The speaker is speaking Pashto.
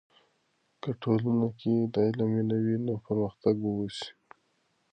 که ټولنې کې د علم مینه وي، نو پرمختګ به وسي.